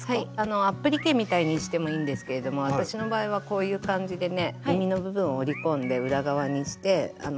アップリケみたいにしてもいいんですけれども私の場合はこういう感じでねみみの部分を折り込んで裏側にしてかけてみたり。